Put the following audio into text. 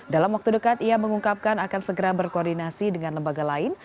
dalam waktu dekat ia mengungkapkan akan segera berkoordinasi dengan lembaga lain